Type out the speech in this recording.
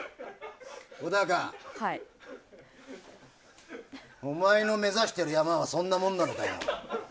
小高、お前の目指してる山はそんなもんなのかよ？